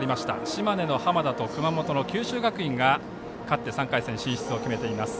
島根の浜田と熊本の九州学院が勝って３回戦進出を決めています。